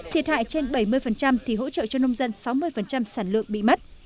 thiệt hại trên bảy mươi thì hỗ trợ cho nông dân sáu mươi sản lượng bị mất